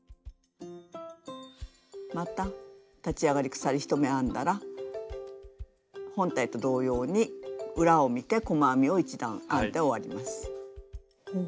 また立ち上がり鎖１目編んだら本体と同様に裏を見て細編みを１段編んで終わります。